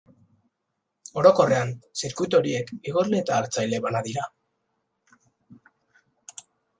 Orokorrean, zirkuitu horiek, igorle eta hartzaile bana dira.